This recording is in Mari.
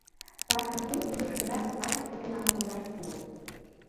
Такшым кум ӱдырыштынат качышт уке манын ойлаш сулык.